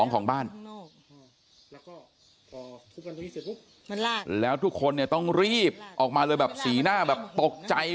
ของบ้านแล้วก็ทุกคนเนี่ยต้องรีบออกมาเลยแบบสีหน้าแบบตกใจ